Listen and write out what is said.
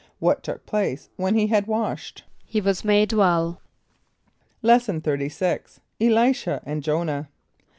= What took place when he had washed? =He was made well.= Lesson XXXVI. Elisha and Jonah.